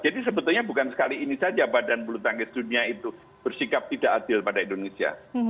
jadi sebetulnya bukan sekali ini saja badan bulu tangges dunia itu bersikap tidak adil pada indonesia